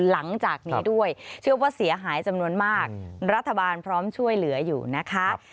หลังจากนี้ด้วยเชื่อว่าเสียหายจำนวนมากรัฐบาลพร้อมช่วยเหลืออยู่นะคะ